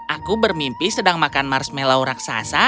aku bermimpi sedang makan marshmallow raksasa